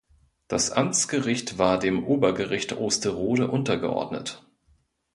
Das Amtsgericht war dem Obergericht Osterode untergeordnet.